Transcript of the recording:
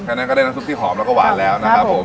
นั้นก็ได้น้ำซุปที่หอมแล้วก็หวานแล้วนะครับผม